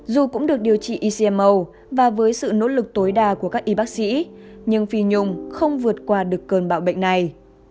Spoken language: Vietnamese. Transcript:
dù cũng được điều trị ecmo và với sự nỗ lực tối đa của các y bác sĩ nhưng phi nhung không vượt qua được cơn bão bệnh này